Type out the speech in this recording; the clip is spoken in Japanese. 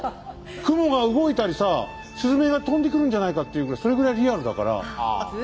雲が動いたりさスズメが飛んでくるんじゃないかっていうぐらいそれぐらいリアルだから。